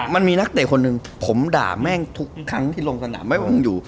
มันมีนักเตะคนหนึ่งผมด่าแม่งทุกครั้งที่ลงสนามแม่วงอยู่